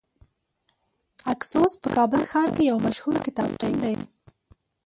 اکسوس په کابل ښار کې یو مشهور کتابتون دی .